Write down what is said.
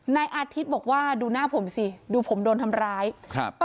นายอาทิตย์บอกว่าดูหน้าผมสิดูผมโดนทำร้ายครับ